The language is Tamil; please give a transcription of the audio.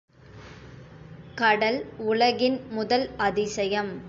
கடல், உலகின் முதல் அதிசயம்.